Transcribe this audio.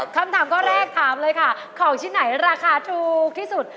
คำถามก็ทีนี้เลยค่ะของชิ้นไหนราคาถูกที่สุด